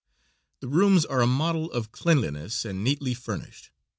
The rooms are a model of cleanliness and neatly furnished.